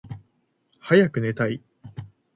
はやくねたい。